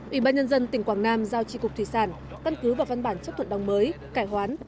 ủy ban nhân dân tỉnh quảng nam giao tri cục thủy sản căn cứ vào văn bản chấp thuận đồng mới cải hoán